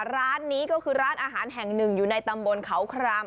ร้านนี้ก็คือร้านอาหารแห่งหนึ่งอยู่ในตำบลเขาคราม